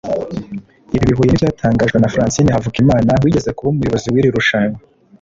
Ibi bihuye n'ibyatangajwe na Francine Havugimana wigeze kuba umuyobozi w'iri rushanwa